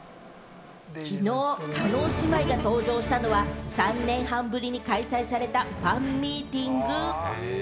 きのう、叶姉妹が登場したのは、３年半ぶりに開催されたファンミーティング。